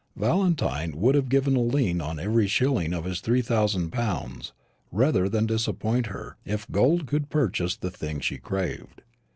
Valentine would have given a lien on every shilling of his three thousand pounds rather than disappoint her, if gold could purchase the thing she craved.